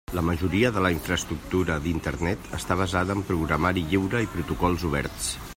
La majoria de la infraestructura d'Internet està basada en programari lliure i protocols oberts.